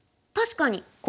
確かに！